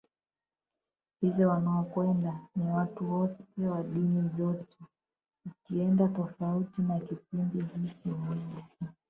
hizo wanaokwenda ni watu wote wa dini zote Ukienda tofauti na kipindi hiki huwezi